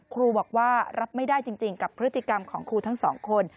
ครูบอกว่ารับไม่ได้จริงกับพฤติกรรมของครูทั้งสองคน